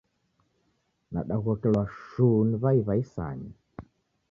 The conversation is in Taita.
Nadaghokelwa shuu ni w'ai w'a isanya.